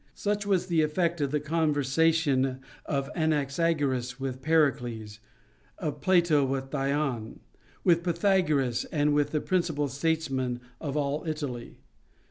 Such was the effect of the conversation of Anaxagoras with Pericles, of Plato with Dion, and of Pythagoras with the principal statesmen of all Italy.